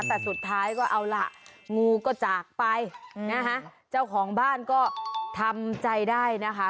แต่สุดท้ายก็เอาล่ะงูก็จากไปนะคะเจ้าของบ้านก็ทำใจได้นะคะ